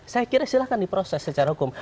saya kira silahkan diproses secara hukum